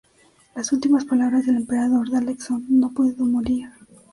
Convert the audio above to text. Las últimas palabras del Emperador Dalek son "¡No puedo morir!